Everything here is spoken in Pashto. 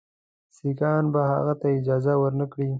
سیکهان به هغه ته اجازه ورنه کړي.